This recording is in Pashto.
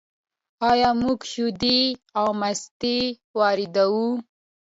آیا موږ شیدې او مستې واردوو؟